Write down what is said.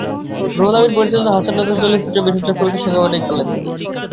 রুহুল আমীন পরিচালিত হাসান রাজা চলচ্চিত্রে মিঠুন চক্রবর্তীর সঙ্গে অভিনয় করলেন তিনি।